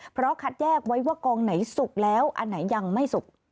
เพราะคัดแยกไว้ว่ากองไหนสุกแล้วอันไหนยังไม่สุก